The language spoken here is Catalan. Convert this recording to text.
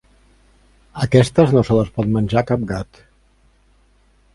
Aquestes no se les pot menjar cap gat!